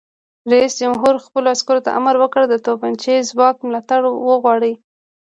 رئیس جمهور خپلو عسکرو ته امر وکړ؛ د توپچي ځواک ملاتړ وغواړئ!